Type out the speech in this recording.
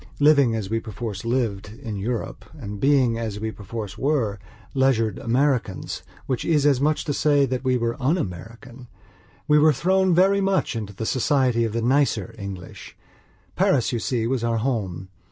Living, as we perforce lived, in Europe, and being, as we perforce were, leisured Americans, which is as much as to say that we were un American, we were thrown very much into the society of the nicer English. Paris, you see, was our home.